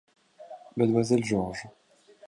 Mlle George.